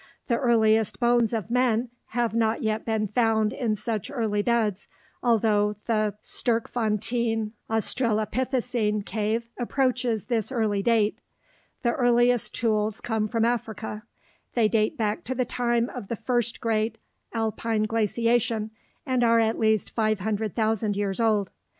The earliest bones of men have not yet been found in such early beds although the Sterkfontein australopithecine cave approaches this early date. The earliest tools come from Africa. They date back to the time of the first great alpine glaciation and are at least 500,000 years old.